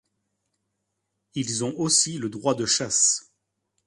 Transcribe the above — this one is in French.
Ils ont aussi le droit de chasse.